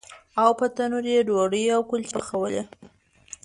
او په تنور یې ډوډۍ او کلچې پخولې.